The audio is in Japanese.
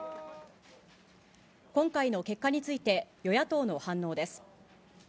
今回の結果について、与野党の反応です。